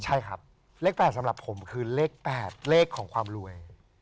ใช่ครับเลข๘สำหรับผมคือเลข๘เลขของความรวย